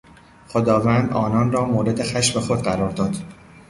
خداوند آنان را مورد خشم خود قرار داد.